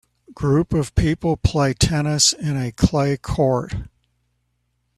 Group of people play tennis in a clay court.